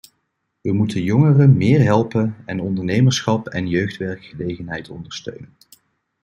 We moeten jongeren meer helpen, en ondernemerschap en jeugdwerkgelegenheid ondersteunen.